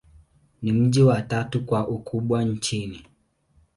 Ni mji wa tatu kwa ukubwa nchini.